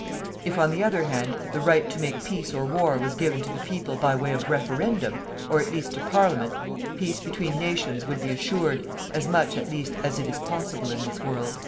If, on the other hand, the right to make peace or war was given to the people by way of =referendum=, or at least to Parliament, peace between nations would be assured, as much at least as it is possible in this world."